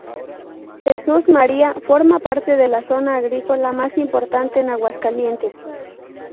Jesús María forma parte de la zona agrícola más importante en Aguascalientes.